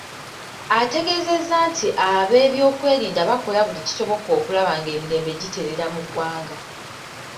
Ategeezeza nti abeebyokwerinda bakola buli kisoboka okulaba ng’emirembe gitereera mu ggwanga.